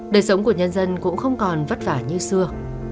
đời sống của nhân dân cũng không còn vất vả như xưa